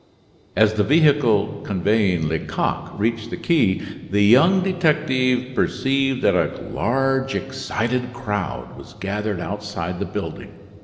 As the vehicle conveying Lecoq reached the quay, the young detective perceived that a large, excited crowd was gathered outside the building.